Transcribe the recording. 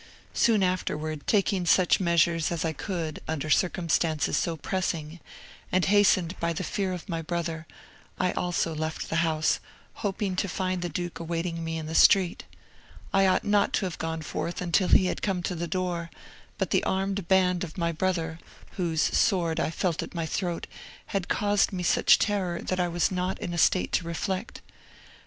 Soon afterwards, taking such measures as I could under circumstances so pressing, and hastened by the fear of my brother, I also left the house, hoping to find the duke awaiting me in the street. I ought not to have gone forth until he had come to the door; but the armed band of my brother, whose sword I felt at my throat, had caused me such terror that I was not in a state to reflect.